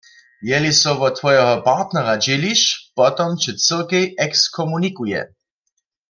Jeli so wot twojeho partnera dźěliš, potom će cyrkej ekskomunikuje.